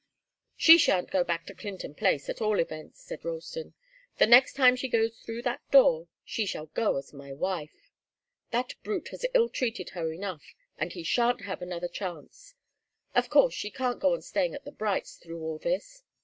"She shan't go back to Clinton Place, at all events," said Ralston. "The next time she goes through that door, she shall go as my wife. That brute has ill treated her enough, and he shan't have another chance. Of course, she can't go on staying at the Brights' through all this.